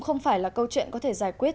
không phải là câu chuyện có thể giải quyết